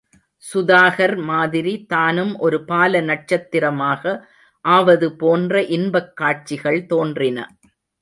சுதாகர் மாதிரி தானும் ஒரு பால நட்சத்திரமாக ஆவது போன்ற இன்பக் காட்சிகள் தோன்றின.